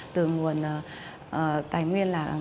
từ nguồn tài nguyên là